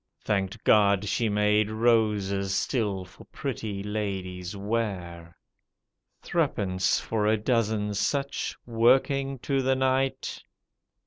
Thanked God she made roses still for pretty ladies' wear. Threepence for a dozen such, working to the night.